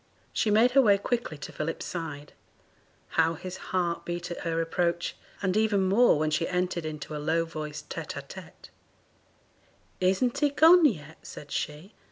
She made her way quickly to Philip's side; how his heart beat at her approach! and even more when she entered into a low voiced tete a tete. 'Isn't he gone yet?' said she.